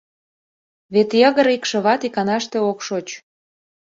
Вет йыгыр икшыват иканаште ок шоч.